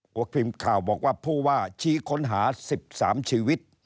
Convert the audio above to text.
พิมพ์ข่าวบอกว่าผู้ว่าชี้ค้นหา๑๓ชีวิต